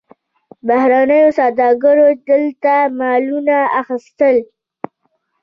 بهرنیو سوداګرو دلته مالونه اخیستل.